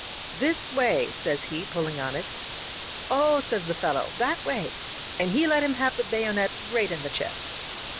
" ^This way !' says he, pulling on it. " *0h!' says the fellow, *that way!' And he let him have the bayonet right in the chest.